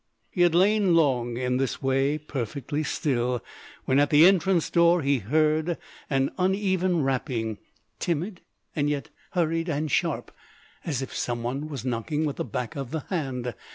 He had lain long in this way, perfectly still, when at the entrance door he heard an uneven rapping, timid, and yet hurried and sharp, as if some one was knocking with the back of the hand.